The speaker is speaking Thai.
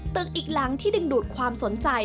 อีกหลังที่ดึงดูดความสนใจ